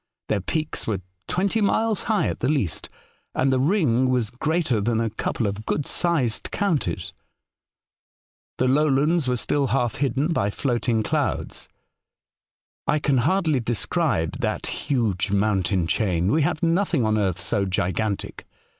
Their 56 A Voyage to Other Worlds. peaks were twenty miles high at the least, and the ring was greater than a couple of good sized counties. The lowlands were still half hidden by floating clouds. I can hardly describe that huge mountain chain. We have nothing on earth so gigantic.